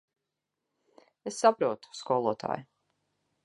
Es saprotu, skolotāj.